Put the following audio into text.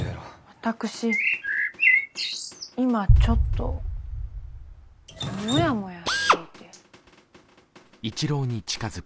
私今ちょっとモヤモヤしていて。